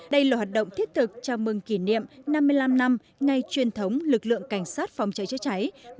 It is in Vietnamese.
đây là hoạt động thiết thực chào mừng kỷ niệm năm mươi năm năm ngày truyền thống lực lượng cảnh sát phòng cháy chữa cháy